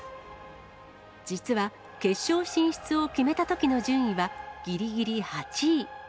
実は、決勝進出を決めたときの順位は、ぎりぎり８位。